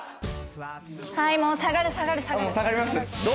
はいもう下がる下がる。